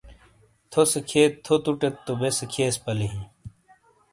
تھو سے کھیئت ،تھو توٹیت تو بے سے کھیس پلی ہی۔